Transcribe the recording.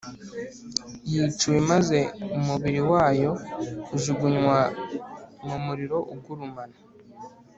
yiciwe maze umubiri wayo ujugunywa mu muriro ugurumana